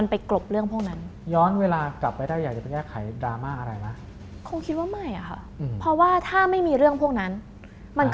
ยังค่ะได้หรอกดีเลยดีตนั่นเลยนะครับ